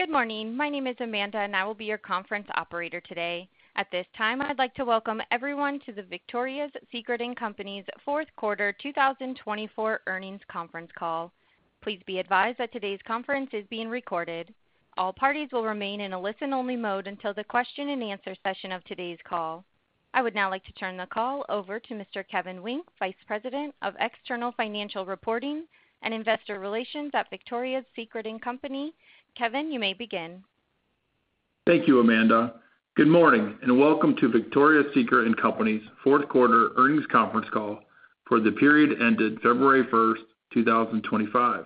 Good morning. My name is Amanda, and I will be your conference operator today. At this time, I'd like to welcome everyone to the Victoria's Secret & Co. Fourth Quarter 2024 Earnings Conference Call. Please be advised that today's conference is being recorded. All parties will remain in a listen-only mode until the Q&A session of today's call. I would now like to turn the call over to Mr. Kevin Wynk, Vice President of External Financial Reporting and Investor Relations at Victoria's Secret & Co. Kevin, you may begin. Thank you, Amanda. Good morning and welcome to Victoria's Secret & Co.'s Fourth Quarter Earnings Conference Call for the period ended February 1, 2025.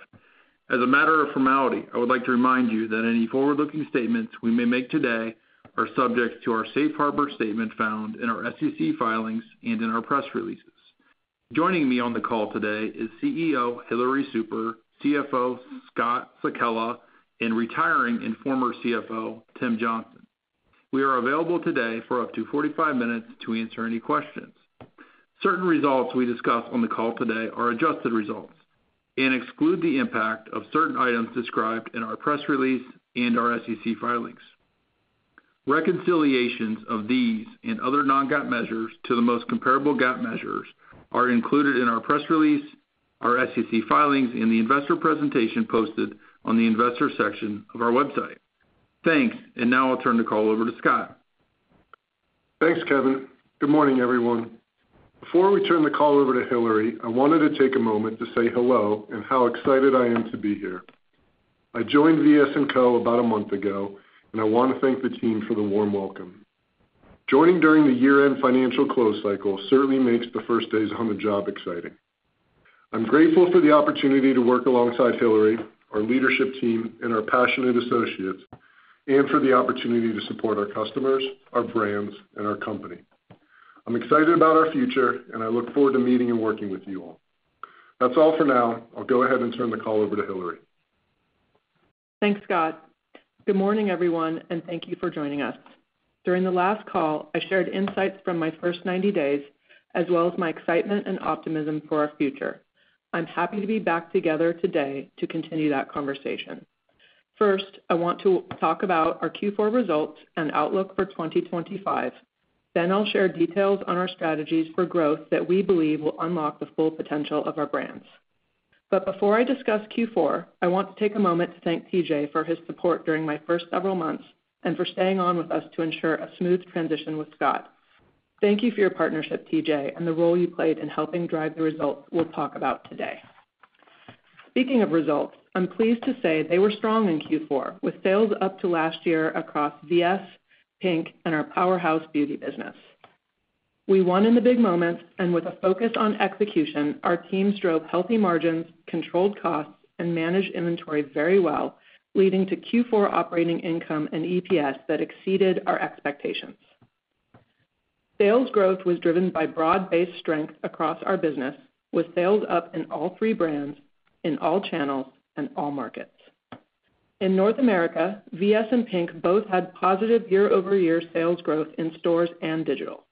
As a matter of formality, I would like to remind you that any forward-looking statements we may make today are subject to our safe harbor statement found in our SEC filings and in our press releases. Joining me on the call today is CEO Hillary Super, CFO Scott Sekella, and retiring and former CFO Tim Johnson. We are available today for up to 45 minutes to answer any questions. Certain results we discuss on the call today are adjusted results and exclude the impact of certain items described in our press release and our SEC filings. Reconciliations of these and other non-GAAP measures to the most comparable GAAP measures are included in our press release, our SEC filings, and the investor presentation posted on the investor section of our website. Thanks. I will now turn the call over to Scott. Thanks, Kevin. Good morning, everyone. Before we turn the call over to Hillary, I wanted to take a moment to say hello and how excited I am to be here. I joined VS&Co about a month ago, and I want to thank the team for the warm welcome. Joining during the year-end financial close cycle certainly makes the first days on the job exciting. I'm grateful for the opportunity to work alongside Hillary, our leadership team, and our passionate associates, and for the opportunity to support our customers, our brands, and our company. I'm excited about our future, and I look forward to meeting and working with you all. That's all for now. I'll go ahead and turn the call over to Hillary. Thanks, Scott. Good morning, everyone, and thank you for joining us. During the last call, I shared insights from my first 90 days as well as my excitement and optimism for our future. I'm happy to be back together today to continue that conversation. First, I want to talk about our Q4 results and outlook for 2025. I will share details on our strategies for growth that we believe will unlock the full potential of our brands. Before I discuss Q4, I want to take a moment to thank TJ for his support during my first several months and for staying on with us to ensure a smooth transition with Scott. Thank you for your partnership, TJ, and the role you played in helping drive the results we'll talk about today. Speaking of results, I'm pleased to say they were strong in Q4, with sales up to last year across VS, PINK, and our powerhouse beauty business. We won in the big moments, and with a focus on execution, our teams drove healthy margins, controlled costs, and managed inventory very well, leading to Q4 operating income and EPS that exceeded our expectations. Sales growth was driven by broad-based strength across our business, with sales up in all three brands, in all channels, and all markets. In North America, VS and PINK both had positive year-over-year sales growth in stores and digital.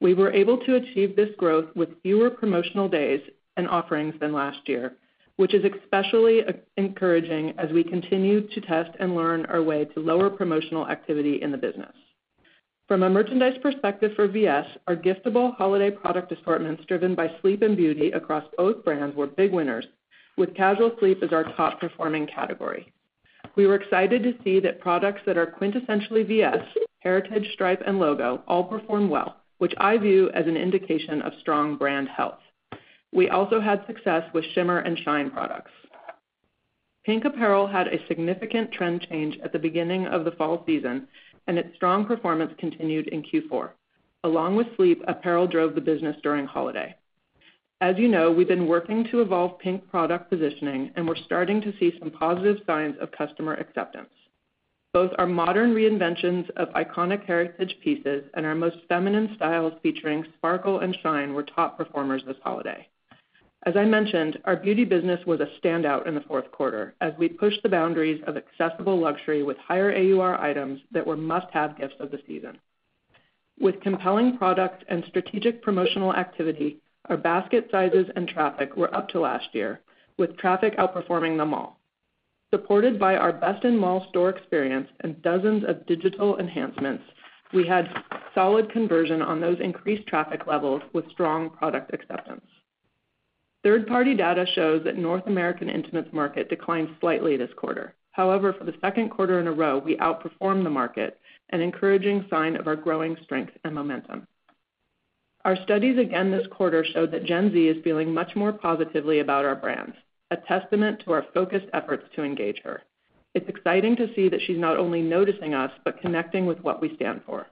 We were able to achieve this growth with fewer promotional days and offerings than last year, which is especially encouraging as we continue to test and learn our way to lower promotional activity in the business. From a merchandise perspective for VS, our giftable holiday product assortments driven by sleep and beauty across both brands were big winners, with casual sleep as our top-performing category. We were excited to see that products that are quintessentially VS, Heritage, Stripe, and Logo all perform well, which I view as an indication of strong brand health. We also had success with shimmer and shine products. PINK apparel had a significant trend change at the beginning of the fall season, and its strong performance continued in Q4. Along with sleep, apparel drove the business during holiday. As you know, we've been working to evolve PINK product positioning, and we're starting to see some positive signs of customer acceptance. Both our modern reinventions of iconic heritage pieces and our most feminine styles featuring sparkle and shine were top performers this holiday. As I mentioned, our beauty business was a standout in the fourth quarter as we pushed the boundaries of accessible luxury with higher AUR items that were must-have gifts of the season. With compelling product and strategic promotional activity, our basket sizes and traffic were up to last year, with traffic outperforming them all. Supported by our best-in-mall store experience and dozens of digital enhancements, we had solid conversion on those increased traffic levels with strong product acceptance. Third-party data shows that North American intimates market declined slightly this quarter. However, for the second quarter in a row, we outperformed the market, an encouraging sign of our growing strength and momentum. Our studies again this quarter showed that Gen Z is feeling much more positively about our brands, a testament to our focused efforts to engage her. It's exciting to see that she's not only noticing us, but connecting with what we stand for.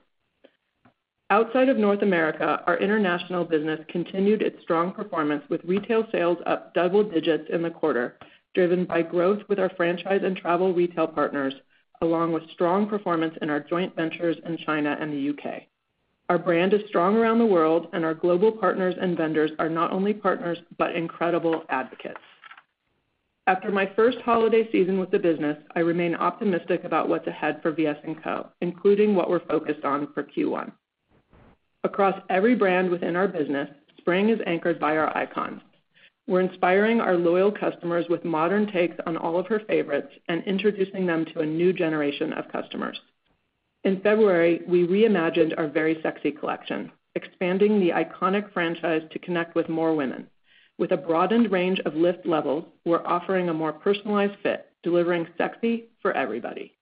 Outside of North America, our international business continued its strong performance, with retail sales up double digits in the quarter, driven by growth with our franchise and travel retail partners, along with strong performance in our joint ventures in China and the U.K. Our brand is strong around the world, and our global partners and vendors are not only partners but incredible advocates. After my first holiday season with the business, I remain optimistic about what's ahead for VS&Co, including what we're focused on for Q1. Across every brand within our business, spring is anchored by our icons. We're inspiring our loyal customers with modern takes on all of her favorites and introducing them to a new generation of customers. In February, we reimagined our Very Sexy collection, expanding the iconic franchise to connect with more women. With a broadened range of lift levels, we're offering a more personalized fit, delivering sexy for everybody.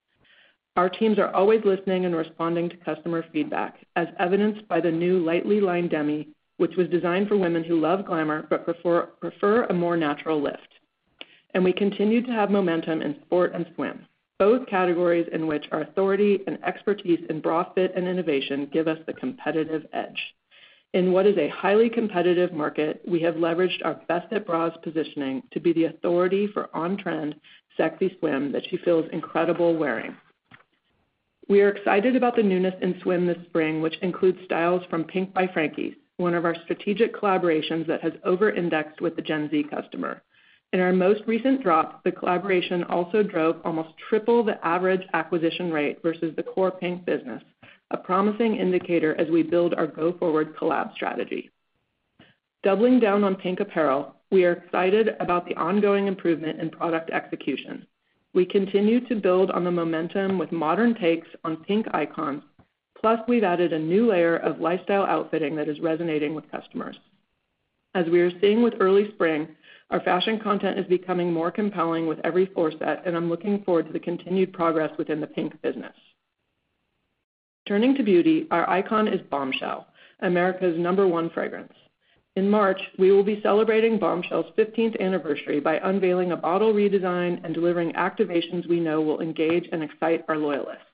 Our teams are always listening and responding to customer feedback, as evidenced by the new Lightly Lined Demi, which was designed for women who love glamour but prefer a more natural lift. We continue to have momentum in sport and swim, both categories in which our authority and expertise in bra fit and innovation give us the competitive edge. In what is a highly competitive market, we have leveraged our best at bras positioning to be the authority for on-trend sexy swim that she feels incredible wearing. We are excited about the newness in swim this spring, which includes styles from PINK by Frankies, one of our strategic collaborations that has over-indexed with the Gen Z customer. In our most recent drop, the collaboration also drove almost triple the average acquisition rate versus the core PINK business, a promising indicator as we build our go-forward collab strategy. Doubling down on PINK apparel, we are excited about the ongoing improvement in product execution. We continue to build on the momentum with modern takes on PINK icons, plus we've added a new layer of lifestyle outfitting that is resonating with customers. As we are seeing with early spring, our fashion content is becoming more compelling with every fourset, and I'm looking forward to the continued progress within the PINK business. Turning to beauty, our icon is Bombshell, America's number one fragrance. In March, we will be celebrating Bombshell's 15th anniversary by unveiling a bottle redesign and delivering activations we know will engage and excite our loyalists.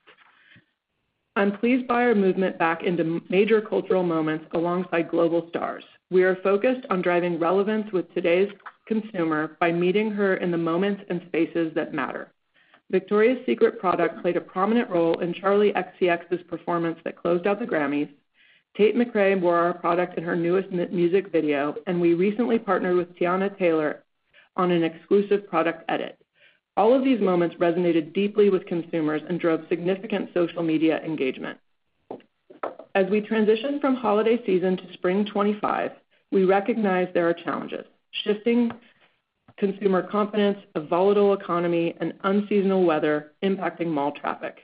I'm pleased by our movement back into major cultural moments alongside global stars. We are focused on driving relevance with today's consumer by meeting her in the moments and spaces that matter. Victoria's Secret product played a prominent role in Charli XCX's performance that closed out the Grammys. Tate McRae wore our product in her newest music video, and we recently partnered with Teyana Taylor on an exclusive product edit. All of these moments resonated deeply with consumers and drove significant social media engagement. As we transition from holiday season to spring 2025, we recognize there are challenges: shifting consumer confidence, a volatile economy, and unseasonal weather impacting mall traffic.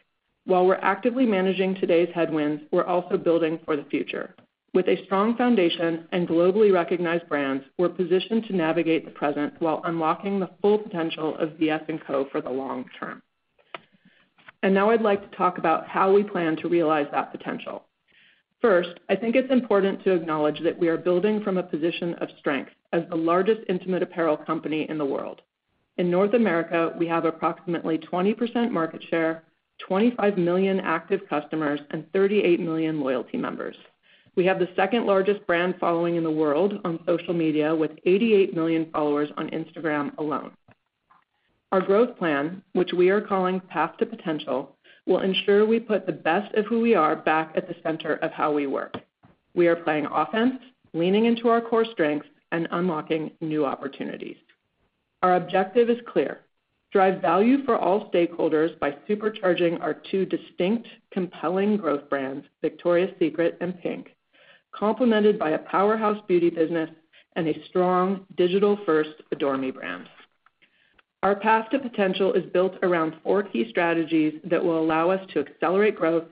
While we're actively managing today's headwinds, we're also building for the future. With a strong foundation and globally recognized brands, we're positioned to navigate the present while unlocking the full potential of VS&Co for the long term. I would like to talk about how we plan to realize that potential. First, I think it's important to acknowledge that we are building from a position of strength as the largest intimate apparel company in the world. In North America, we have approximately 20% market share, 25 million active customers, and 38 million loyalty members. We have the second largest brand following in the world on social media with 88 million followers on Instagram alone. Our growth plan, which we are calling Path to Potential, will ensure we put the best of who we are back at the center of how we work. We are playing offense, leaning into our core strengths, and unlocking new opportunities. Our objective is clear: drive value for all stakeholders by supercharging our two distinct, compelling growth brands, Victoria's Secret and PINK, complemented by a powerhouse beauty business and a strong digital-first Adore Me brand. Our path to potential is built around four key strategies that will allow us to accelerate growth,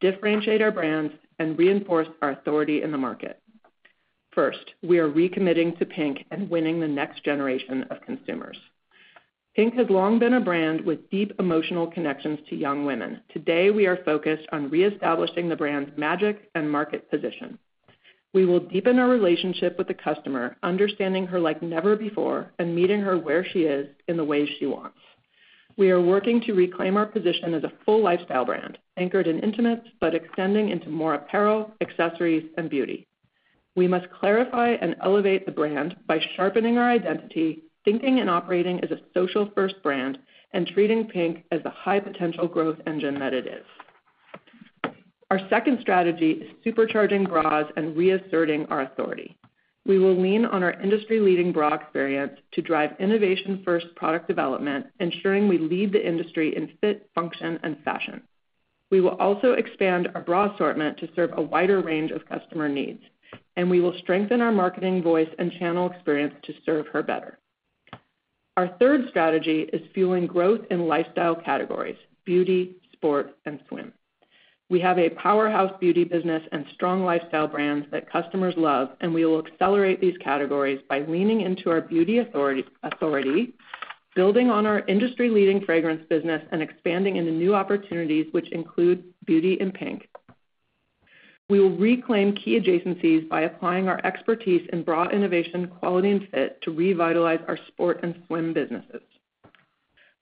differentiate our brands, and reinforce our authority in the market. First, we are recommitting to PINK and winning the next generation of consumers. PINK has long been a brand with deep emotional connections to young women. Today, we are focused on reestablishing the brand's magic and market position. We will deepen our relationship with the customer, understanding her like never before and meeting her where she is in the ways she wants. We are working to reclaim our position as a full lifestyle brand, anchored in intimates but extending into more apparel, accessories, and beauty. We must clarify and elevate the brand by sharpening our identity, thinking and operating as a social-first brand, and treating PINK as the high-potential growth engine that it is. Our second strategy is supercharging bras and reasserting our authority. We will lean on our industry-leading bra experience to drive innovation-first product development, ensuring we lead the industry in fit, function, and fashion. We will also expand our bra assortment to serve a wider range of customer needs, and we will strengthen our marketing voice and channel experience to serve her better. Our third strategy is fueling growth in lifestyle categories: beauty, sport, and swim. We have a powerhouse beauty business and strong lifestyle brands that customers love, and we will accelerate these categories by leaning into our beauty authority, building on our industry-leading fragrance business, and expanding into new opportunities, which include beauty and PINK. We will reclaim key adjacencies by applying our expertise in bra innovation, quality, and fit to revitalize our sport and swim businesses.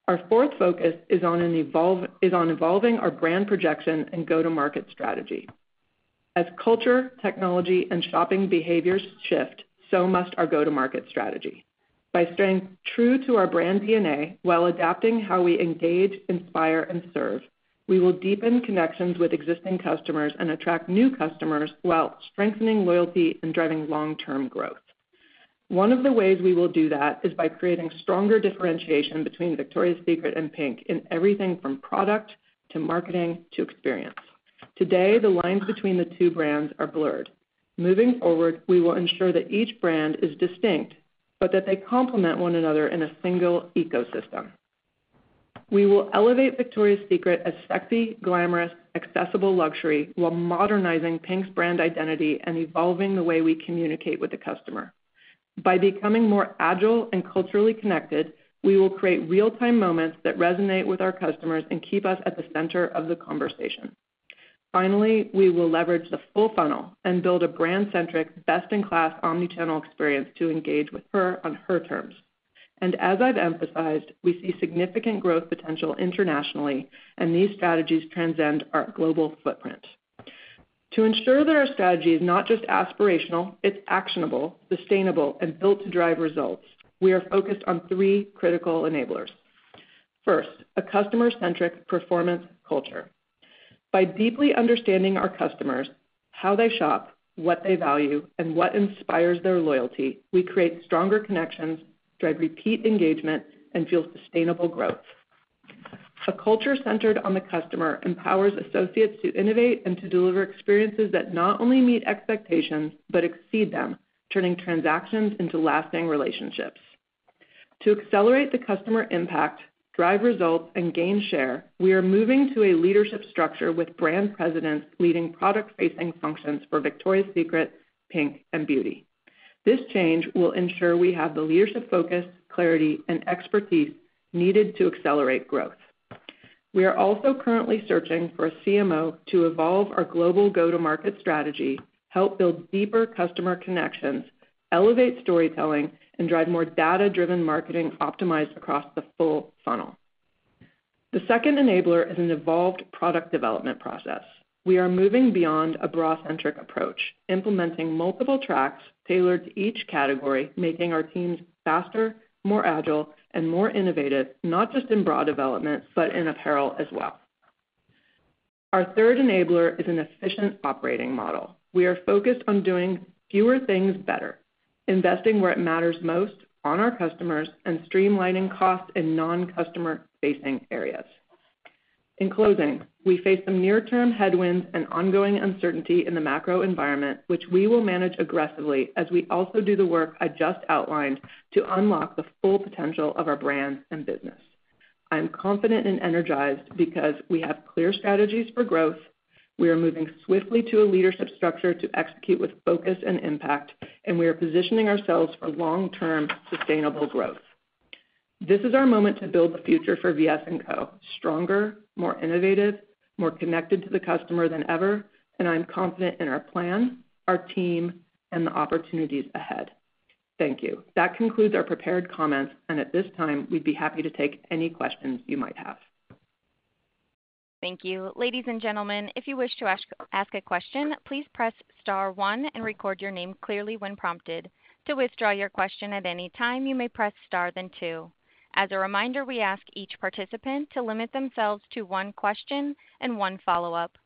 Our fourth focus is on evolving our brand projection and go-to-market strategy. As culture, technology, and shopping behaviors shift, so must our go-to-market strategy. By staying true to our brand DNA while adapting how we engage, inspire, and serve, we will deepen connections with existing customers and attract new customers while strengthening loyalty and driving long-term growth. One of the ways we will do that is by creating stronger differentiation between Victoria's Secret and PINK in everything from product to marketing to experience. Today, the lines between the two brands are blurred. Moving forward, we will ensure that each brand is distinct, but that they complement one another in a single ecosystem. We will elevate Victoria's Secret as sexy, glamorous, accessible luxury while modernizing PINK's brand identity and evolving the way we communicate with the customer. By becoming more agile and culturally connected, we will create real-time moments that resonate with our customers and keep us at the center of the conversation. We will leverage the full funnel and build a brand-centric, best-in-class omnichannel experience to engage with her on her terms. As I've emphasized, we see significant growth potential internationally, and these strategies transcend our global footprint. To ensure that our strategy is not just aspirational, it's actionable, sustainable, and built to drive results, we are focused on three critical enablers. First, a customer-centric performance culture. By deeply understanding our customers, how they shop, what they value, and what inspires their loyalty, we create stronger connections, drive repeat engagement, and fuel sustainable growth. A culture centered on the customer empowers associates to innovate and to deliver experiences that not only meet expectations but exceed them, turning transactions into lasting relationships. To accelerate the customer impact, drive results, and gain share, we are moving to a leadership structure with brand presidents leading product-facing functions for Victoria's Secret, PINK, and Beauty. This change will ensure we have the leadership focus, clarity, and expertise needed to accelerate growth. We are also currently searching for a CMO to evolve our global go-to-market strategy, help build deeper customer connections, elevate storytelling, and drive more data-driven marketing optimized across the full funnel. The second enabler is an evolved product development process. We are moving beyond a bra-centric approach, implementing multiple tracks tailored to each category, making our teams faster, more agile, and more innovative, not just in bra development, but in apparel as well. Our third enabler is an efficient operating model. We are focused on doing fewer things better, investing where it matters most on our customers, and streamlining costs in non-customer-facing areas. In closing, we face some near-term headwinds and ongoing uncertainty in the macro environment, which we will manage aggressively as we also do the work I just outlined to unlock the full potential of our brand and business. I'm confident and energized because we have clear strategies for growth. We are moving swiftly to a leadership structure to execute with focus and impact, and we are positioning ourselves for long-term sustainable growth. This is our moment to build the future for VS&Co: stronger, more innovative, more connected to the customer than ever, and I'm confident in our plan, our team, and the opportunities ahead. Thank you. That concludes our prepared comments, and at this time, we'd be happy to take any questions you might have. Thank you. Ladies and gentlemen, if you wish to ask a question, please press star one and record your name clearly when prompted. To withdraw your question at any time, you may press star then two. As a reminder, we ask each participant to limit themselves to one question and one follow-up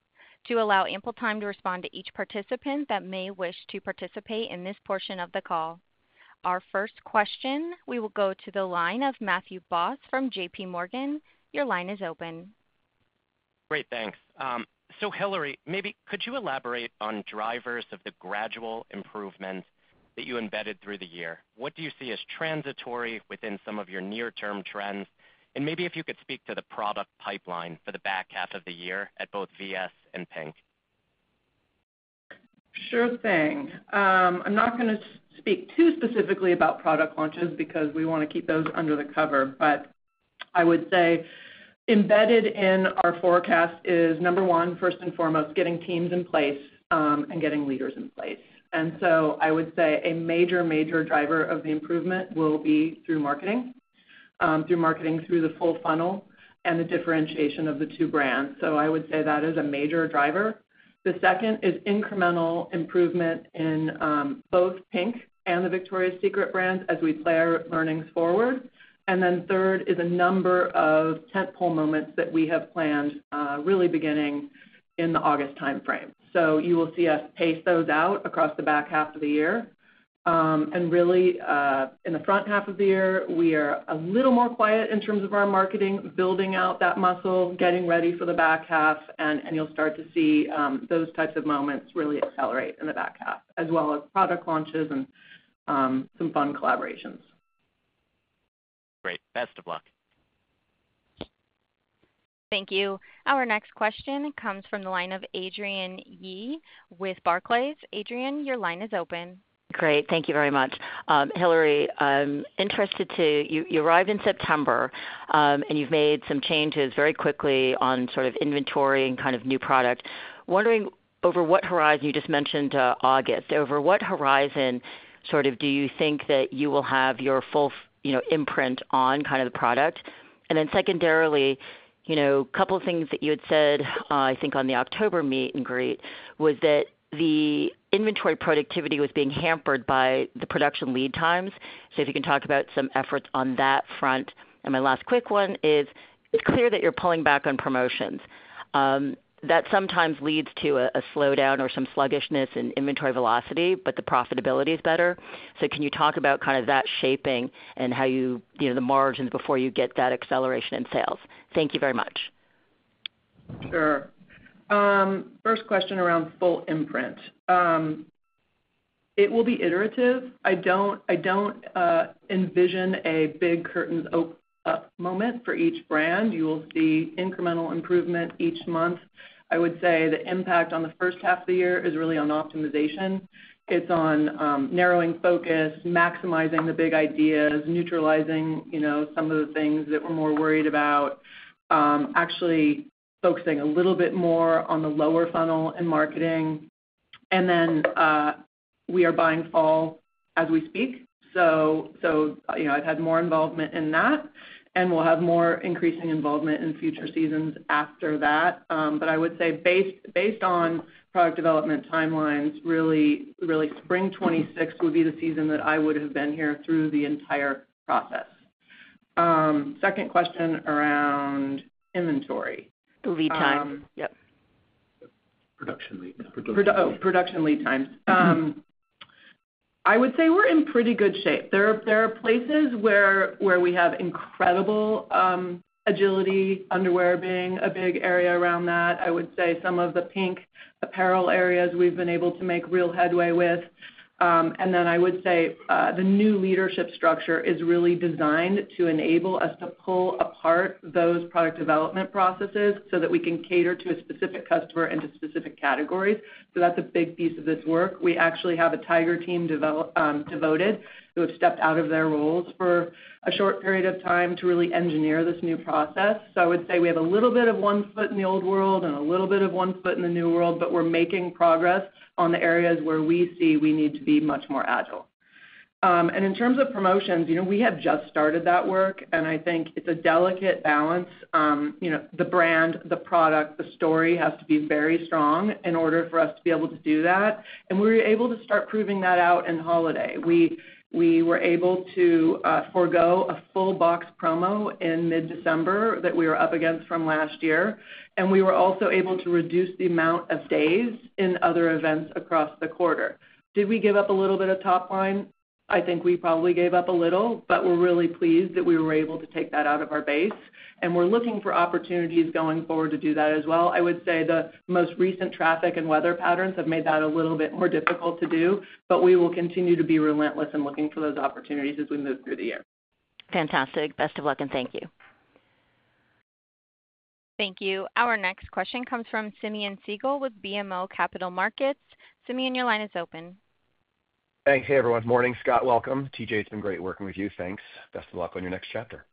to allow ample time to respond to each participant that may wish to participate in this portion of the call. Our first question, we will go to the line of Matthew Boss from JPMorgan. Your line is open. Great, thanks. Hillary, maybe could you elaborate on drivers of the gradual improvement that you embedded through the year? What do you see as transitory within some of your near-term trends? Maybe if you could speak to the product pipeline for the back half of the year at both VS and PINK. Sure thing. I'm not going to speak too specifically about product launches because we want to keep those under the cover, but I would say embedded in our forecast is, number one, first and foremost, getting teams in place and getting leaders in place. I would say a major, major driver of the improvement will be through marketing, through marketing, through the full funnel, and the differentiation of the two brands. I would say that is a major driver. The second is incremental improvement in both PINK and the Victoria's Secret brands as we play our learnings forward. Third is a number of tentpole moments that we have planned really beginning in the August timeframe. You will see us pace those out across the back half of the year. Really, in the front half of the year, we are a little more quiet in terms of our marketing, building out that muscle, getting ready for the back half, and you'll start to see those types of moments really accelerate in the back half, as well as product launches and some fun collaborations. Great. Best of luck. Thank you. Our next question comes from the line of Adrienne Yih with Barclays. Adrienne, your line is open. Great. Thank you very much. Hillary, I'm interested, you arrived in September, and you've made some changes very quickly on sort of inventory and kind of new product. Wondering over what horizon, you just mentioned August, over what horizon do you think that you will have your full imprint on kind of the product? Secondarily, a couple of things that you had said, I think, on the October meet and greet was that the inventory productivity was being hampered by the production lead times. If you can talk about some efforts on that front. My last quick one is it's clear that you're pulling back on promotions. That sometimes leads to a slowdown or some sluggishness in inventory velocity, but the profitability is better. Can you talk about kind of that shaping and how you the margins before you get that acceleration in sales? Thank you very much. Sure. First question around full imprint. It will be iterative. I don't envision a big curtain-up moment for each brand. You will see incremental improvement each month. I would say the impact on the first half of the year is really on optimization. It's on narrowing focus, maximizing the big ideas, neutralizing some of the things that we're more worried about, actually focusing a little bit more on the lower funnel and marketing. We are buying fall as we speak. I've had more involvement in that, and will have more increasing involvement in future seasons after that. I would say based on product development timelines, really, really spring 2026 would be the season that I would have been here through the entire process. Second question around inventory. Lead time. Yep. Production lead time. Production lead times. I would say we're in pretty good shape. There are places where we have incredible agility, underwear being a big area around that. I would say some of the PINK apparel areas we've been able to make real headway with. I would say the new leadership structure is really designed to enable us to pull apart those product development processes so that we can cater to a specific customer and to specific categories. That's a big piece of this work. We actually have a tiger team devoted who have stepped out of their roles for a short period of time to really engineer this new process. I would say we have a little bit of one foot in the old world and a little bit of one foot in the new world, but we're making progress on the areas where we see we need to be much more agile. In terms of promotions, we have just started that work, and I think it's a delicate balance. The brand, the product, the story has to be very strong in order for us to be able to do that. We were able to start proving that out in holiday. We were able to forgo a full box promo in mid-December that we were up against from last year. We were also able to reduce the amount of days in other events across the quarter. Did we give up a little bit of top line? I think we probably gave up a little, but we're really pleased that we were able to take that out of our base. We're looking for opportunities going forward to do that as well. I would say the most recent traffic and weather patterns have made that a little bit more difficult to do, but we will continue to be relentless in looking for those opportunities as we move through the year. Fantastic. Best of luck, and thank you. Thank you. Our next question comes from Simeon Siegel with BMO Capital Markets. Simeon, your line is open. Thanks, everyone. Morning, Scott. Welcome. TJ, it's been great working with you. Thanks. Best of luck on your next chapter.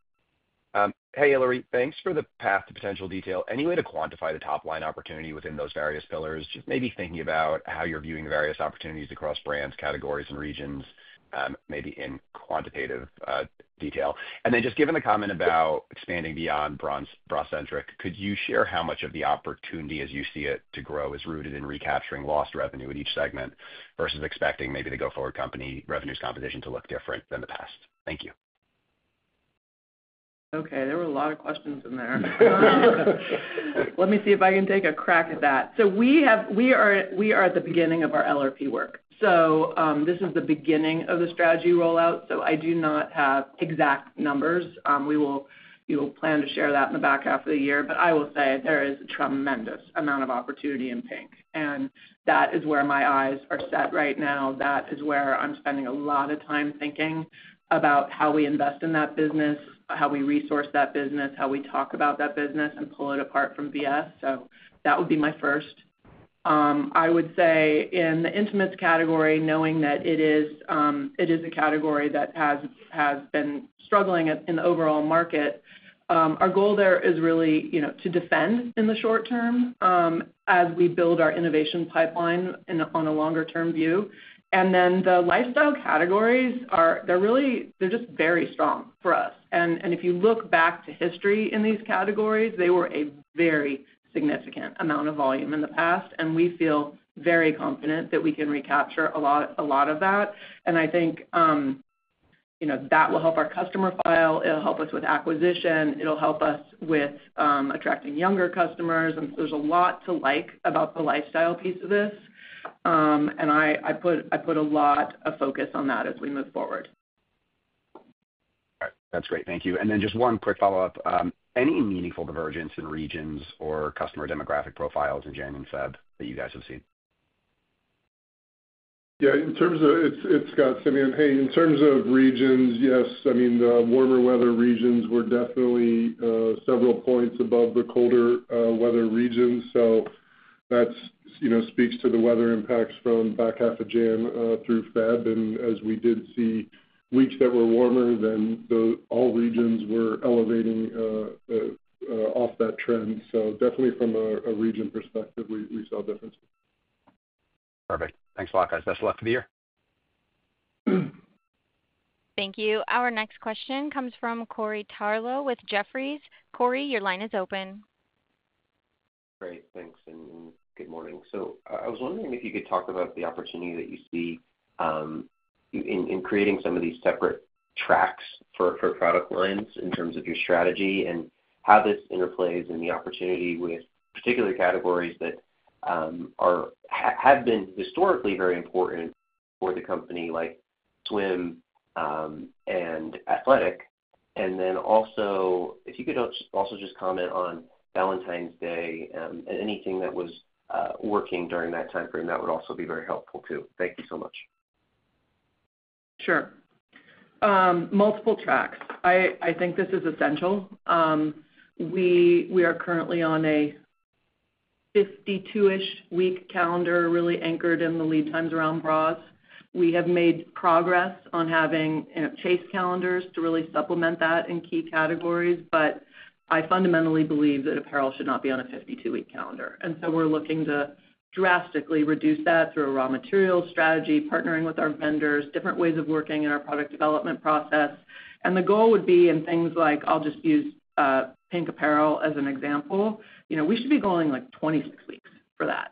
Hey, Hillary. Thanks for the path to potential detail. Any way to quantify the top line opportunity within those various pillars? Just maybe thinking about how you're viewing various opportunities across brands, categories, and regions, maybe in quantitative detail. Just given the comment about expanding beyond bra-centric, could you share how much of the opportunity, as you see it, to grow is rooted in recapturing lost revenue at each segment versus expecting maybe the go-forward company revenues composition to look different than the past? Thank you. There were a lot of questions in there. Let me see if I can take a crack at that. We are at the beginning of our LRP work. This is the beginning of the strategy rollout. I do not have exact numbers. We will plan to share that in the back half of the year. I will say there is a tremendous amount of opportunity in PINK. That is where my eyes are set right now. That is where I'm spending a lot of time thinking about how we invest in that business, how we resource that business, how we talk about that business, and pull it apart from VS. That would be my first. I would say in the intimates category, knowing that it is a category that has been struggling in the overall market, our goal there is really to defend in the short term as we build our innovation pipeline on a longer-term view. The lifestyle categories, they're just very strong for us. If you look back to history in these categories, they were a very significant amount of volume in the past. We feel very confident that we can recapture a lot of that. I think that will help our customer file. It'll help us with acquisition. It'll help us with attracting younger customers. There is a lot to like about the lifestyle piece of this. I put a lot of focus on that as we move forward. All right. That's great. Thank you. One quick follow-up. Any meaningful divergence in regions or customer demographic profiles in January and February that you guys have seen? Yeah. It's Scott, Simeon. In terms of regions, yes. The warmer weather regions were definitely several points above the colder weather regions. That speaks to the weather impacts from back half of January through February. As we did see weeks that were warmer, all regions were elevating off that trend. Definitely from a region perspective, we saw differences. Perfect. Thanks a lot, guys. Best of luck for the year. Thank you. Our next question comes from Corey Tarlowe with Jefferies. Corey, your line is open. Great. Thanks. Good morning. I was wondering if you could talk about the opportunity that you see in creating some of these separate tracks for product lines in terms of your strategy and how this interplays in the opportunity with particular categories that have been historically very important for the company, like swim and athletic. If you could also just comment on Valentine's Day and anything that was working during that timeframe, that would also be very helpful too. Thank you so much. Sure. Multiple tracks. I think this is essential. We are currently on a 52-ish week calendar, really anchored in the lead times around bras. We have made progress on having chase calendars to really supplement that in key categories. I fundamentally believe that apparel should not be on a 52-week calendar. We are looking to drastically reduce that through a raw materials strategy, partnering with our vendors, different ways of working in our product development process. The goal would be in things like, I'll just use PINK apparel as an example, we should be going like 26 weeks for that.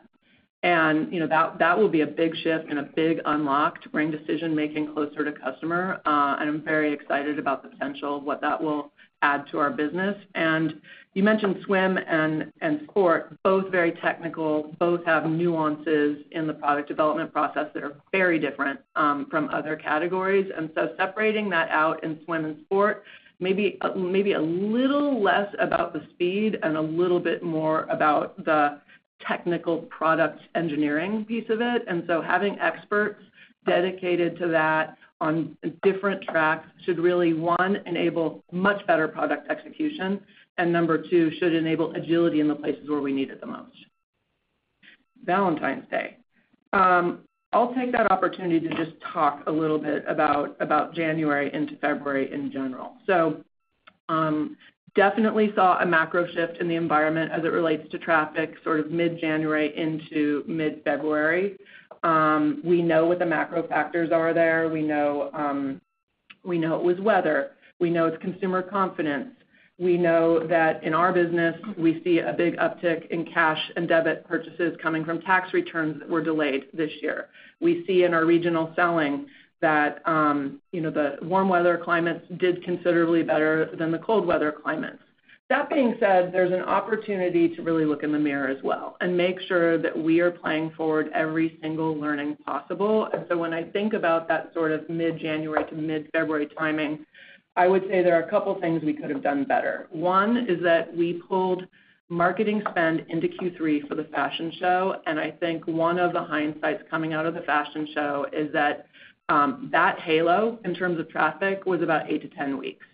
That will be a big shift and a big unlock to bring decision-making closer to customer. I'm very excited about the potential of what that will add to our business. You mentioned swim and sport, both very technical, both have nuances in the product development process that are very different from other categories. Separating that out in swim and sport, maybe a little less about the speed and a little bit more about the technical product engineering piece of it. Having experts dedicated to that on different tracks should really, one, enable much better product execution. Number two, it should enable agility in the places where we need it the most. Valentine's Day. I'll take that opportunity to just talk a little bit about January into February in general. Definitely saw a macro shift in the environment as it relates to traffic sort of mid-January into mid-February. We know what the macro factors are there. We know it was weather. We know it's consumer confidence. We know that in our business, we see a big uptick in cash and debit purchases coming from tax returns that were delayed this year. We see in our regional selling that the warm weather climates did considerably better than the cold weather climates. That being said, there's an opportunity to really look in the mirror as well and make sure that we are playing forward every single learning possible. When I think about that sort of mid-January to mid-February timing, I would say there are a couple of things we could have done better. One is that we pulled marketing spend into Q3 for the fashion show. I think one of the hindsights coming out of the fashion show is that that halo in terms of traffic was about 8-10 weeks.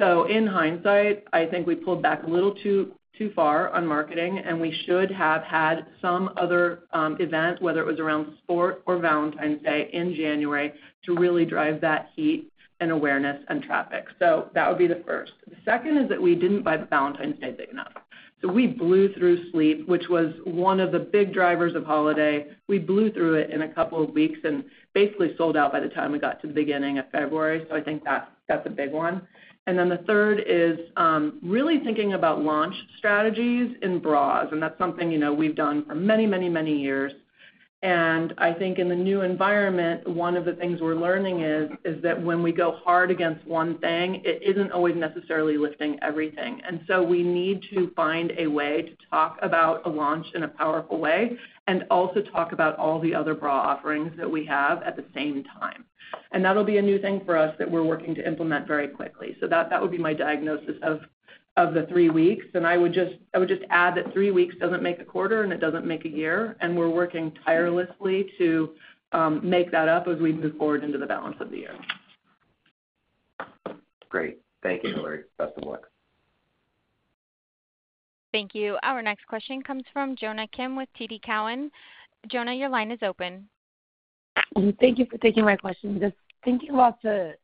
In hindsight, I think we pulled back a little too far on marketing. We should have had some other event, whether it was around sport or Valentine's Day in January, to really drive that heat and awareness and traffic. That would be the first. The second is that we did not buy the Valentine's Day big enough. We blew through sleep, which was one of the big drivers of holiday. We blew through it in a couple of weeks and basically sold out by the time we got to the beginning of February. I think that is a big one. The third is really thinking about launch strategies in bras. That is something we have done for many, many, many years. I think in the new environment, one of the things we are learning is that when we go hard against one thing, it is not always necessarily lifting everything. We need to find a way to talk about a launch in a powerful way and also talk about all the other bra offerings that we have at the same time. That will be a new thing for us that we're working to implement very quickly. That would be my diagnosis of the three weeks. I would just add that three weeks does not make a quarter, and it does not make a year. We are working tirelessly to make that up as we move forward into the balance of the year. Great. Thank you, Hillary. Best of luck. Thank you. Our next question comes from Jonna Kim with TD Cowen. Jonah, your line is open. Thank you for taking my question. Just thinking about the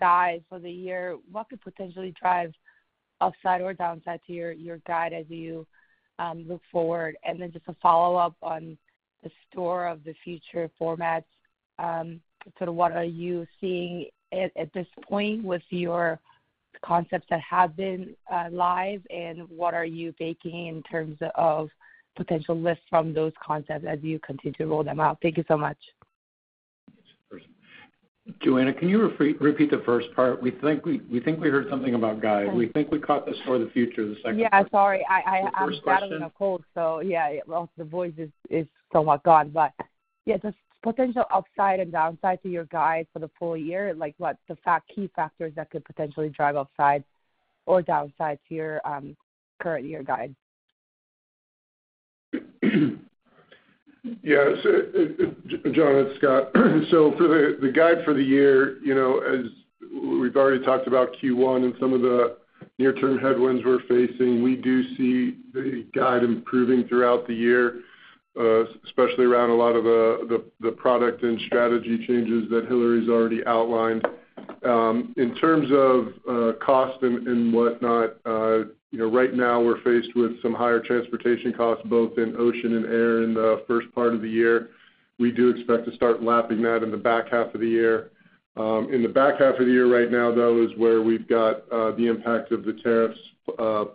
guide for the year, what could potentially drive upside or downside to your guide as you look forward? Just a follow-up on the store of the future formats. What are you seeing at this point with your concepts that have been live, and what are you baking in terms of potential lifts from those concepts as you continue to roll them out? Thank you so much. Jonna, can you repeat the first part? We think we heard something about guide. We think we caught the store of the future. The second part. Yeah. Sorry. I'm grabbing a cold. The voice is somewhat gone. Just potential upside and downside to your guide for the full year, like what the key factors that could potentially drive upside or downside to your current year guide. Yeah. Jonna and Scott. For the guide for the year, as we've already talked about Q1 and some of the near-term headwinds we're facing, we do see the guide improving throughout the year, especially around a lot of the product and strategy changes that Hillary's already outlined. In terms of cost and whatnot, right now we're faced with some higher transportation costs, both in ocean and air in the first part of the year. We do expect to start lapping that in the back half of the year. In the back half of the year right now, though, is where we've got the impact of the tariffs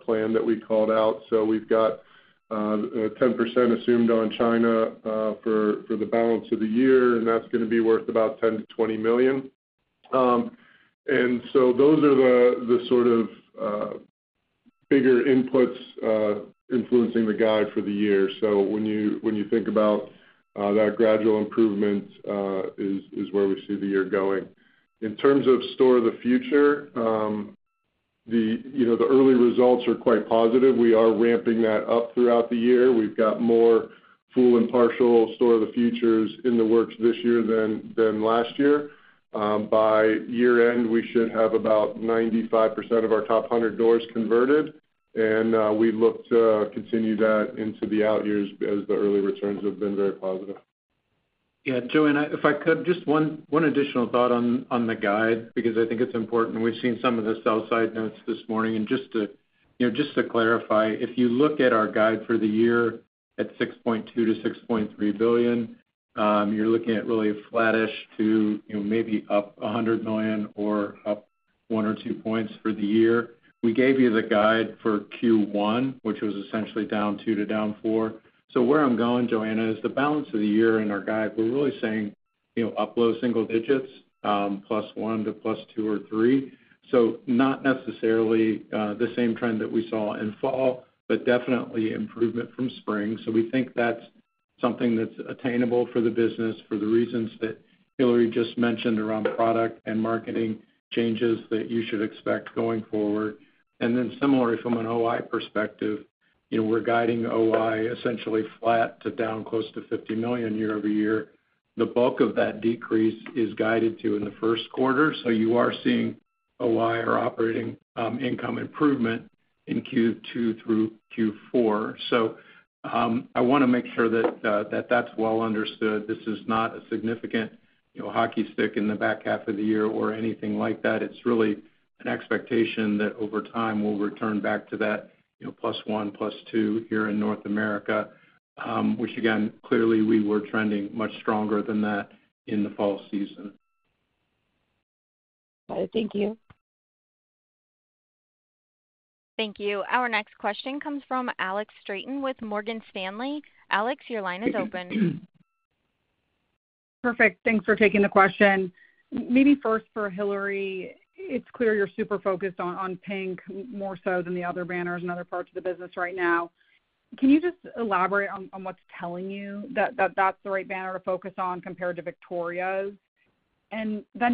plan that we called out. We've got 10% assumed on China for the balance of the year, and that's going to be worth about $10 million-$20 million. Those are the sort of bigger inputs influencing the guide for the year. When you think about that gradual improvement, it is where we see the year going. In terms of store of the future, the early results are quite positive. We are ramping that up throughout the year. We have more full and partial store of the futures in the works this year than last year. By year-end, we should have about 95% of our top 100 doors converted. We look to continue that into the out years as the early returns have been very positive. Yeah. Jonna, if I could, just one additional thought on the guide, because I think it is important. We have seen some of the sell-side notes this morning. Just to clarify, if you look at our guide for the year at $6.2 billion-$6.3 billion, you are looking at really a flattish to maybe up $100 million or up one or two points for the year. We gave you the guide for Q1, which was essentially down two to down four. Where I'm going, Jonna, is the balance of the year in our guide, we're really seeing up low single digits, plus one to plus two or three. Not necessarily the same trend that we saw in fall, but definitely improvement from spring. We think that's something that's attainable for the business for the reasons that Hillary just mentioned around product and marketing changes that you should expect going forward. Similarly, from an OI perspective, we're guiding OI essentially flat to down close to $50 million year-over-year. The bulk of that decrease is guided to in the first quarter. You are seeing OI or operating income improvement in Q2 through Q4. I want to make sure that that's well understood. This is not a significant hockey stick in the back half of the year or anything like that. It's really an expectation that over time we'll return back to that plus one, plus two here in North America, which again, clearly we were trending much stronger than that in the fall season. Thank you. Thank you. Our next question comes from Alex Straton with Morgan Stanley. Alex, your line is open. Perfect. Thanks for taking the question. Maybe first for Hillary, it's clear you're super focused on PINK more so than the other banners and other parts of the business right now. Can you just elaborate on what's telling you that that's the right banner to focus on compared to Victoria's?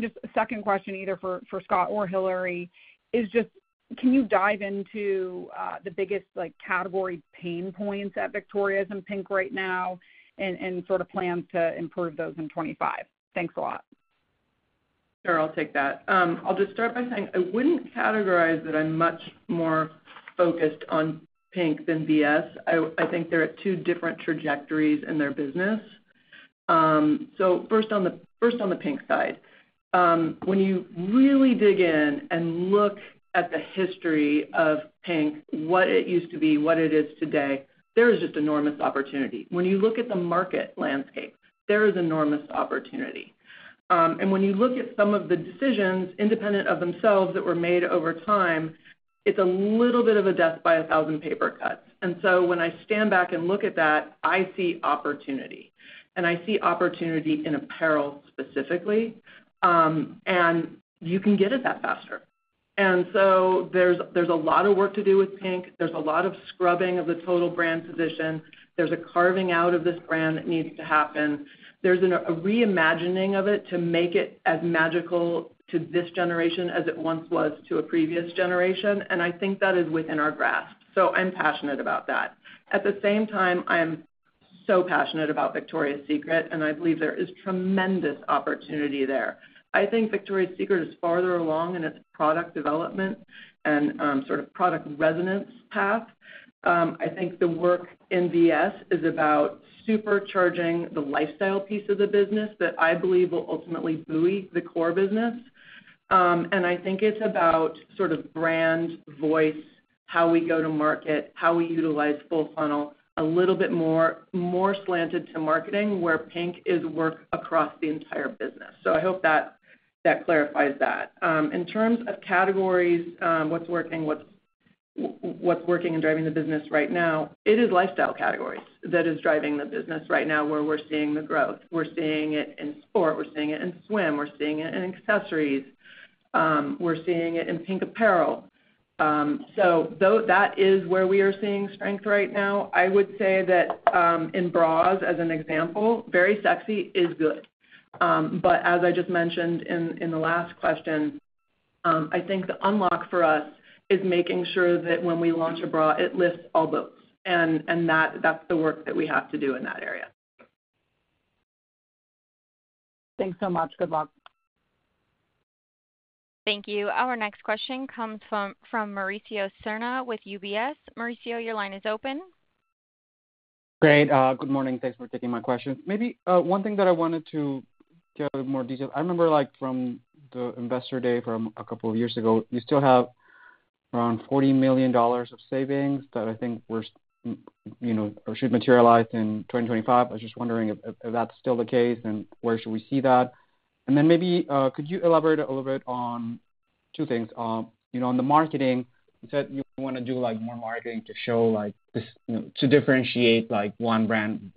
Just a second question either for Scott or Hillary is just, can you dive into the biggest category pain points at Victoria's and PINK right now and sort of plans to improve those in 2025? Thanks a lot. Sure. I'll take that. I'll just start by saying I wouldn't categorize that. I'm much more focused on PINK than VS. I think they're at two different trajectories in their business. First on the PINK side, when you really dig in and look at the history of PINK, what it used to be, what it is today, there is just enormous opportunity. When you look at the market landscape, there is enormous opportunity. And when you look at some of the decisions independent of themselves that were made over time, it's a little bit of a death by a thousand paper cuts. When I stand back and look at that, I see opportunity. I see opportunity in apparel specifically. You can get at that faster. There is a lot of work to do with PINK. There is a lot of scrubbing of the total brand position. There is a carving out of this brand that needs to happen. There is a reimagining of it to make it as magical to this generation as it once was to a previous generation. I think that is within our grasp. I am passionate about that. At the same time, I am so passionate about Victoria's Secret, and I believe there is tremendous opportunity there. I think Victoria's Secret is farther along in its product development and sort of product resonance path. I think the work in VS is about supercharging the lifestyle piece of the business that I believe will ultimately buoy the core business. I think it's about sort of brand, voice, how we go to market, how we utilize full funnel a little bit more slanted to marketing where PINK is work across the entire business. I hope that clarifies that. In terms of categories, what's working, what's working and driving the business right now, it is lifestyle categories that is driving the business right now where we're seeing the growth. We're seeing it in sport. We're seeing it in swim. We're seeing it in accessories. We're seeing it in PINK apparel. That is where we are seeing strength right now. I would say that in bras, as an example, Very Sexy is good. As I just mentioned in the last question, I think the unlock for us is making sure that when we launch a bra, it lifts all boats. That is the work that we have to do in that area. Thanks so much. Good luck. Thank you. Our next question comes from Mauricio Serna with UBS. Mauricio, your line is open. Great. Good morning. Thanks for taking my question. Maybe one thing that I wanted to get a bit more detail. I remember from the investor day from a couple of years ago, you still have around $40 million of savings that I think should materialize in 2025. I was just wondering if that is still the case and where should we see that. Maybe could you elaborate a little bit on two things. On the marketing, you said you want to do more marketing to show to differentiate one brand,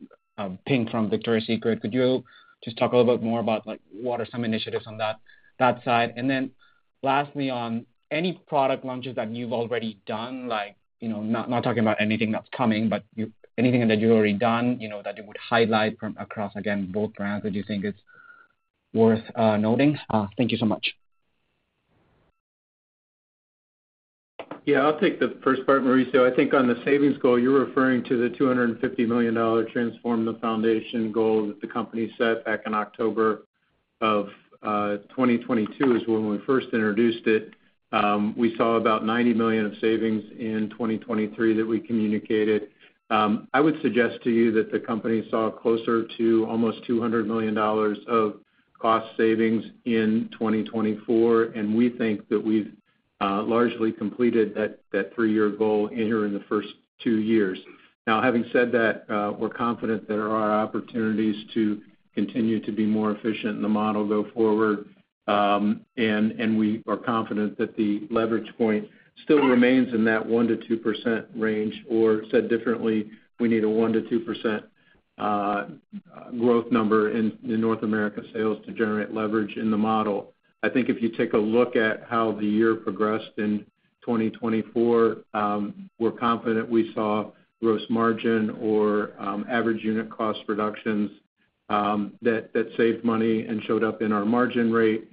PINK, from Victoria's Secret. Could you just talk a little bit more about what are some initiatives on that side? Lastly, on any product launches that you've already done, not talking about anything that's coming, but anything that you've already done that you would highlight across, again, both brands that you think is worth noting? Thank you so much. Yeah. I'll take the first part, Mauricio. I think on the savings goal, you're referring to the $250 million Transform the Foundation goal that the company set back in October of 2022 is when we first introduced it. We saw about $90 million of savings in 2023 that we communicated. I would suggest to you that the company saw closer to almost $200 million of cost savings in 2024. We think that we've largely completed that three-year goal here in the first two years. Having said that, we're confident there are opportunities to continue to be more efficient in the model going forward. We are confident that the leverage point still remains in that 1%-2% range. Or said differently, we need a 1%-2% growth number in North America sales to generate leverage in the model. I think if you take a look at how the year progressed in 2024, we're confident we saw gross margin or average unit cost reductions that saved money and showed up in our margin rate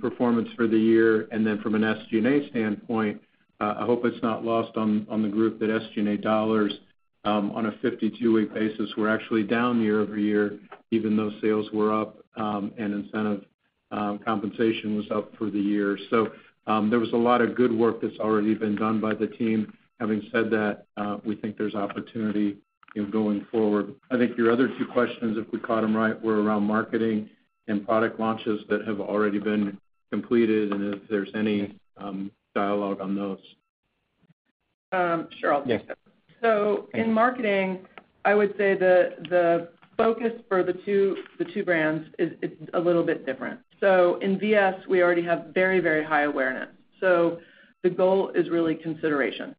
performance for the year. From an SG&A standpoint, I hope it's not lost on the group that SG&A dollars on a 52-week basis were actually down year-over -ear, even though sales were up and incentive compensation was up for the year. There was a lot of good work that's already been done by the team. Having said that, we think there's opportunity going forward. I think your other two questions, if we caught them right, were around marketing and product launches that have already been completed and if there's any dialogue on those. Sure. I'll take that. In marketing, I would say the focus for the two brands is a little bit different. In VS, we already have very, very high awareness. The goal is really consideration.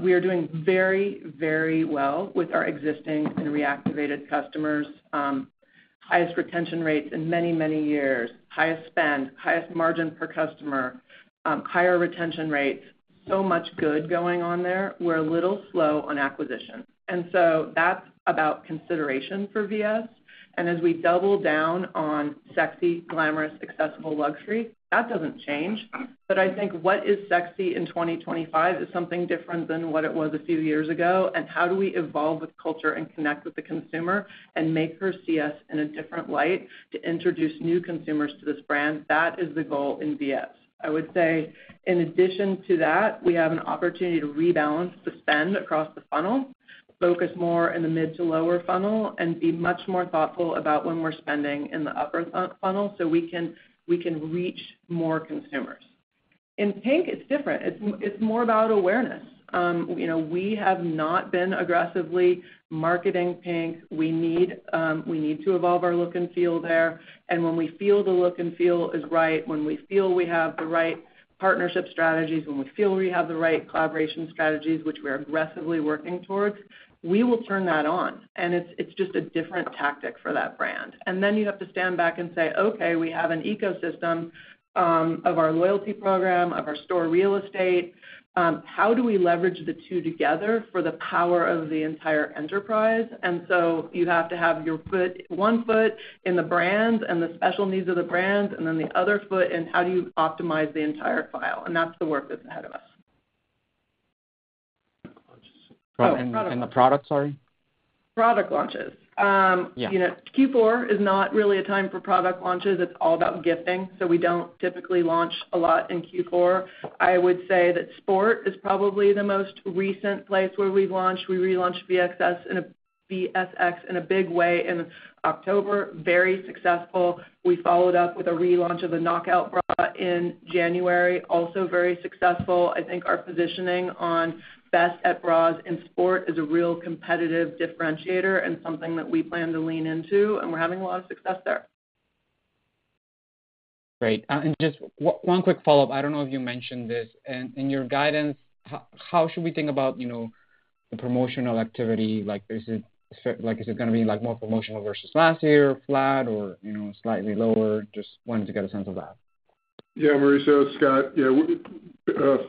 We are doing very, very well with our existing and reactivated customers, highest retention rates in many, many years, highest spend, highest margin per customer, higher retention rates, so much good going on there. We're a little slow on acquisition. That is about consideration for VS. As we double down on sexy, glamorous, accessible luxury, that does not change. I think what is sexy in 2025 is something different than what it was a few years ago. How do we evolve with culture and connect with the consumer and make her see us in a different light to introduce new consumers to this brand? That is the goal in VS. I would say in addition to that, we have an opportunity to rebalance the spend across the funnel, focus more in the mid to lower funnel, and be much more thoughtful about when we're spending in the upper funnel so we can reach more consumers. In PINK, it's different. It's more about awareness. We have not been aggressively marketing PINK. We need to evolve our look and feel there. When we feel the look and feel is right, when we feel we have the right partnership strategies, when we feel we have the right collaboration strategies, which we're aggressively working towards, we will turn that on. It is just a different tactic for that brand. You have to stand back and say, "Okay, we have an ecosystem of our loyalty program, of our store real estate. How do we leverage the two together for the power of the entire enterprise? You have to have one foot in the brand and the special needs of the brand, and the other foot in how you optimize the entire file. That is the work that is ahead of us. Product launches. Q4 is not really a time for product launches. It is all about gifting. We do not typically launch a lot in Q4. I would say that sport is probably the most recent place where we have launched. We relaunched VSX in a big way in October, very successful. We followed up with a relaunch of the Knockout Bra in January, also very successful. I think our positioning on best at bras in sport is a real competitive differentiator and something that we plan to lean into. We're having a lot of success there. Great. Just one quick follow-up. I do not know if you mentioned this. In your guidance, how should we think about the promotional activity? Is it going to be more promotional versus last year, flat, or slightly lower? Just wanted to get a sense of that. Yeah, Mauricio, Scott.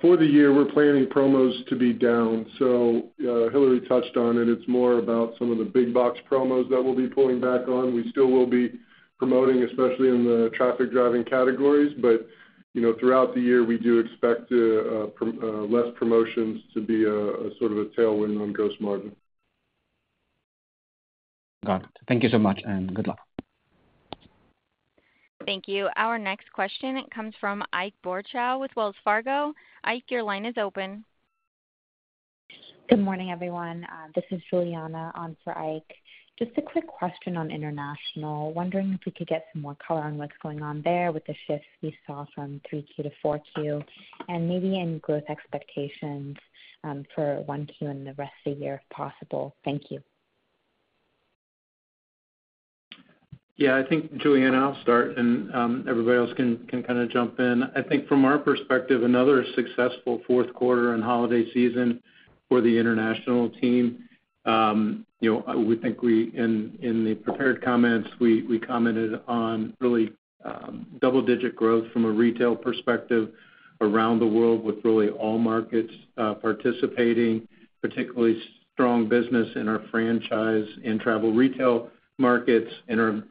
For the year, we're planning promos to be down. Hillary touched on it. It's more about some of the big box promos that we'll be pulling back on. We still will be promoting, especially in the traffic driving categories. Throughout the year, we do expect less promotions to be sort of a tailwind on gross margin. Got it. Thank you so much. Good luck. Thank you. Our next question comes from Ike Boruchow with Wells Fargo. Ike, your line is open. Good morning, everyone. This is Juliana on for Ike. Just a quick question on international, wondering if we could get some more color on what's going on there with the shift we saw from 3Q to 4Q and maybe in growth expectations for 1Q and the rest of the year if possible. Thank you. Yeah. I think, Juliana, I'll start, and everybody else can kind of jump in. I think from our perspective, another successful fourth quarter and holiday season for the international team. We think in the prepared comments, we commented on really double-digit growth from a retail perspective around the world with really all markets participating, particularly strong business in our franchise and travel retail markets in our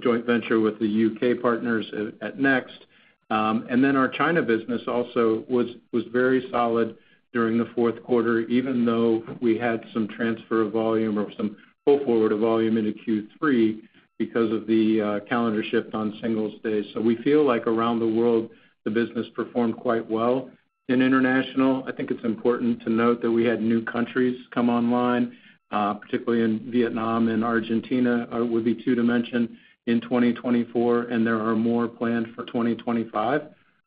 joint venture with the U.K. partners at Next. Our China business also was very solid during the fourth quarter, even though we had some transfer of volume or some pull forward of volume into Q3 because of the calendar shift on Singles' Day. We feel like around the world, the business performed quite well. In international, I think it's important to note that we had new countries come online, particularly in Vietnam and Argentina, would be two to mention in 2024, and there are more planned for 2025.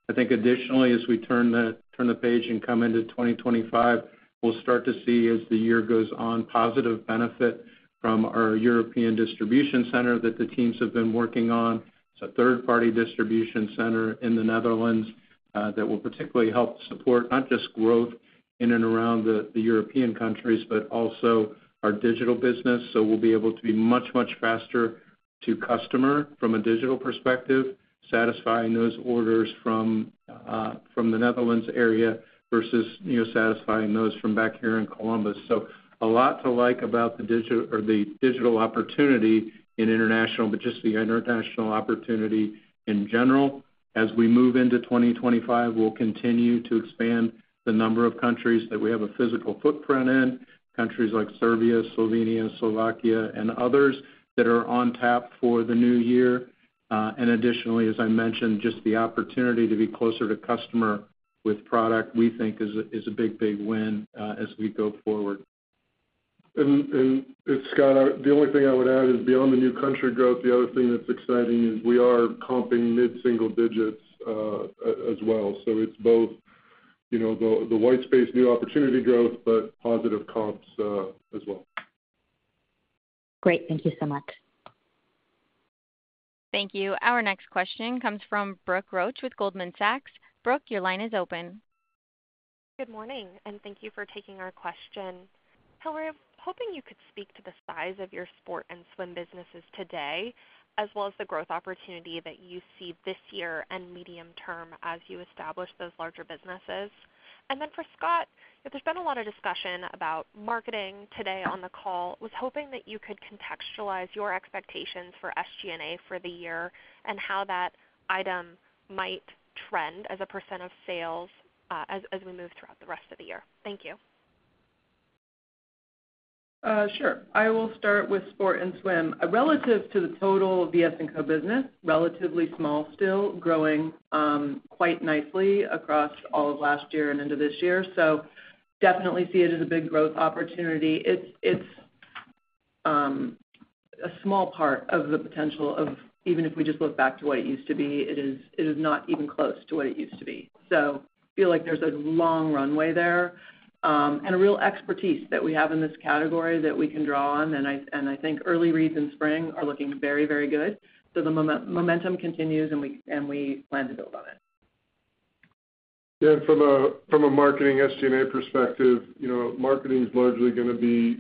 I think additionally, as we turn the page and come into 2025, we'll start to see, as the year goes on, positive benefit from our European distribution center that the teams have been working on. It's a third-party distribution center in the Netherlands that will particularly help support not just growth in and around the European countries, but also our digital business. We will be able to be much, much faster to customer from a digital perspective, satisfying those orders from the Netherlands area versus satisfying those from back here in Columbus. There is a lot to like about the digital opportunity in international, but just the international opportunity in general. As we move into 2025, we will continue to expand the number of countries that we have a physical footprint in, countries like Serbia, Slovenia, Slovakia, and others that are on tap for the new year. Additionally, as I mentioned, just the opportunity to be closer to customer with product, we think, is a big, big win as we go forward. Scott, the only thing I would add is beyond the new country growth, the other thing that is exciting is we are comping mid-single digits as well. It is both the white space new opportunity growth, but positive comps as well. Great. Thank you so much. Thank you. Our next question comes from Brooke Roach with Goldman Sachs. Brooke, your line is open. Good morning. Thank you for taking our question. Hillary, I'm hoping you could speak to the size of your sport and swim businesses today, as well as the growth opportunity that you see this year and medium term as you establish those larger businesses. For Scott, there's been a lot of discussion about marketing today on the call. I was hoping that you could contextualize your expectations for SG&A for the year and how that item might trend as a percent of sales as we move throughout the rest of the year. Thank you. Sure. I will start with sport and swim. Relative to the total VS&Co business, relatively small still, growing quite nicely across all of last year and into this year. Definitely see it as a big growth opportunity. It's a small part of the potential of even if we just look back to what it used to be, it is not even close to what it used to be. I feel like there's a long runway there and a real expertise that we have in this category that we can draw on. I think early reads in spring are looking very, very good. The momentum continues, and we plan to build on it. Yeah. From a marketing SG&A perspective, marketing is largely going to be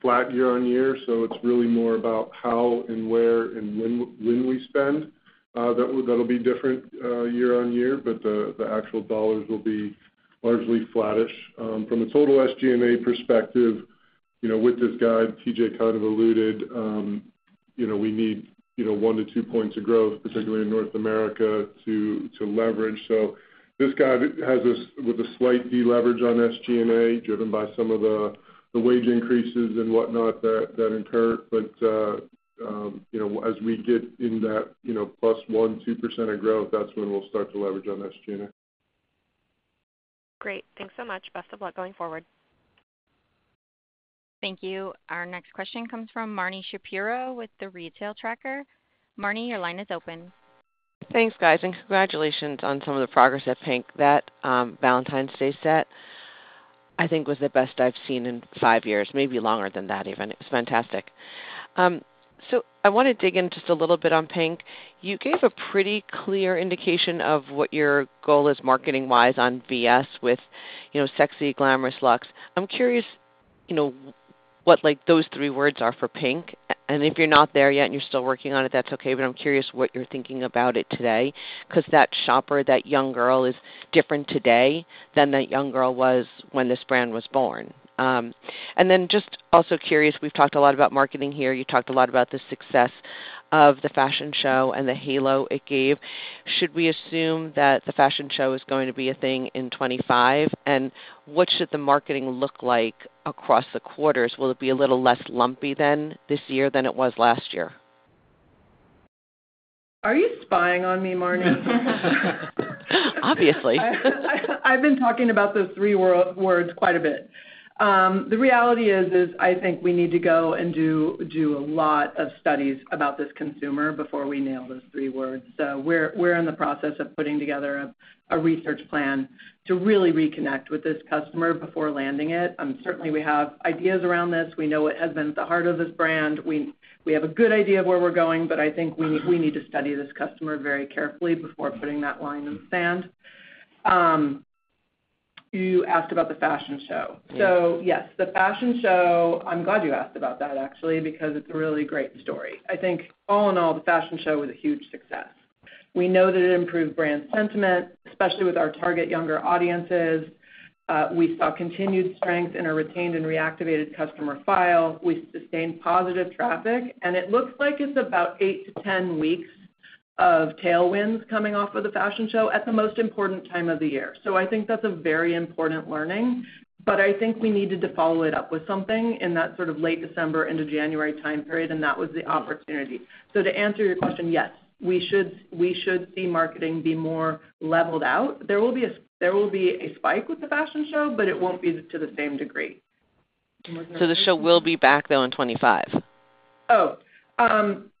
flat year on year. It's really more about how and where and when we spend. That'll be different year on year, but the actual dollars will be largely flattish. From a total SG&A perspective, with this guide, TJ kind of alluded, we need one to two points of growth, particularly in North America, to leverage. This guide has us with a slight deleverage on SG&A driven by some of the wage increases and whatnot that incur. As we get in that plus 1-2% of growth, that's when we'll start to leverage on SG&A. Great. Thanks so much. Best of luck going forward. Thank you. Our next question comes from Marnie Shapiro with The Retail Tracker. Marnie, your line is open. Thanks, guys. Congratulations on some of the progress at PINK. That Valentine's Day set, I think, was the best I've seen in five years, maybe longer than that even. It's fantastic. I want to dig in just a little bit on PINK. You gave a pretty clear indication of what your goal is marketing-wise on VS with sexy, glamorous, luxe. I'm curious what those three words are for PINK. If you're not there yet and you're still working on it, that's okay. I'm curious what you're thinking about it today because that shopper, that young girl, is different today than that young girl was when this brand was born. I am also curious, we've talked a lot about marketing here. You talked a lot about the success of the fashion show and the halo it gave. Should we assume that the fashion show is going to be a thing in 2025? What should the marketing look like across the quarters? Will it be a little less lumpy this year than it was last year? Are you spying on me, Marnie? Obviously. I've been talking about those three words quite a bit. The reality is, I think we need to go and do a lot of studies about this consumer before we nail those three words. We're in the process of putting together a research plan to really reconnect with this customer before landing it. Certainly, we have ideas around this. We know it has been at the heart of this brand. We have a good idea of where we're going, but I think we need to study this customer very carefully before putting that line in the sand. You asked about the fashion show. Yes, the fashion show, I'm glad you asked about that, actually, because it's a really great story. I think all in all, the fashion show was a huge success. We know that it improved brand sentiment, especially with our target younger audiences. We saw continued strength in our retained and reactivated customer file. We sustained positive traffic. It looks like it's about 8-10 weeks of tailwinds coming off of the fashion show at the most important time of the year. I think that's a very important learning. I think we needed to follow it up with something in that sort of late December into January time period, and that was the opportunity. To answer your question, yes, we should see marketing be more leveled out. There will be a spike with the fashion show, but it won't be to the same degree. The show will be back, though, in 2025? Oh.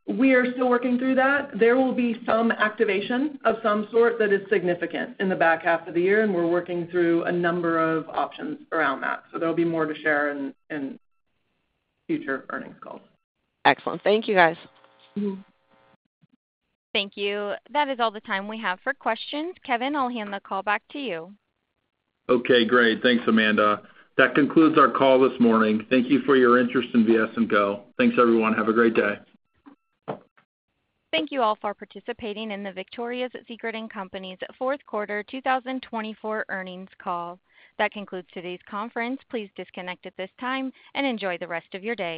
We are still working through that. There will be some activation of some sort that is significant in the back half of the year, and we're working through a number of options around that. There'll be more to share in future earnings calls. Excellent. Thank you, guys. Thank you. That is all the time we have for questions. Kevin, I'll hand the call back to you. Okay. Great. Thanks, Amanda. That concludes our call this morning. Thank you for your interest in VS&Co. Thanks, everyone. Have a great day. Thank you all for participating in the Victoria's Secret & Co. fourth quarter 2024 earnings call. That concludes today's conference. Please disconnect at this time and enjoy the rest of your day.